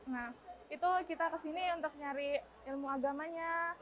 nah itu kita kesini untuk nyari ilmu agamanya